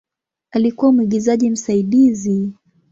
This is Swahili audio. Alikuwa mwigizaji msaidizi.